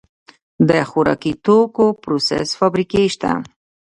د خوراکي توکو پروسس فابریکې شته